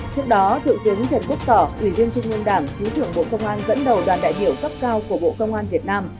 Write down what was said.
trước đó thượng tướng trần quốc tỏ ủy viên trung ương đảng thứ trưởng bộ công an dẫn đầu đoàn đại biểu cấp cao của bộ công an việt nam